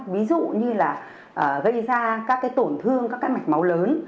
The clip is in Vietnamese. ví dụ như là gây ra các tổn thương các mạch máu lớn